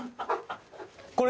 これ？